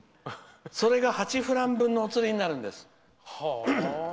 それが８フラン分のお釣りになるんです。